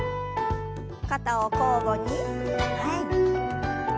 肩を交互に前に。